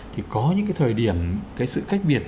thì có những cái thời điểm cái sự cách biệt